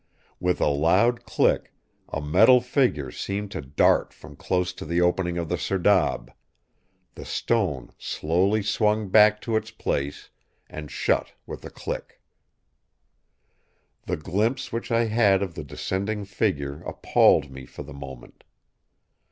"With a loud click, a metal figure seemed to dart from close to the opening of the serdab; the stone slowly swung back to its place, and shut with a click. The glimpse which I had of the descending figure appalled me for the moment.